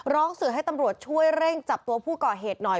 ร้องสื่อให้ตำรวจช่วยเร่งจับตัวผู้ก่อเหตุหน่อย